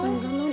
gak liat non